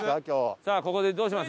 さあここでどうします？